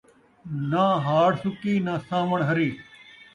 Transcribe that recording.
ناں ہاڑھ سُکی ناں ساوݨ ہری